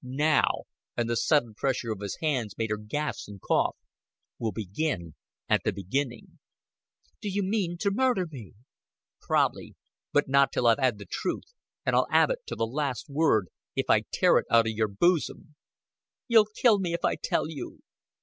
"Now" and the sudden pressure of his hands made her gasp and cough "we'll begin at the beginning." "Do you mean to murder me?" "Prob'ly. But not till I've 'ad the truth and I'll 'aarve it to the last word, if I tear it out o' yer boosum." "You'll kill me if I tell you."